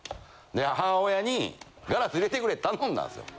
で母親にガラス入れてくれって頼んだんですよ。